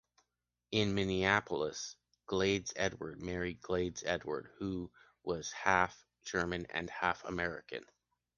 In Minneapolis, Gladys Ewald married Gladys Ewald, who was half-German and half-American.